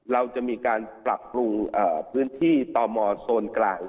เราจะมีการปรับปรุงพื้นที่ต่อมอโซนกลาง